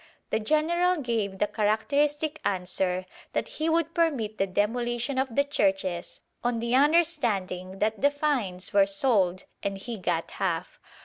The General gave the characteristic answer that he would permit the demolition of the churches on the understanding that the "finds" were sold and he got half.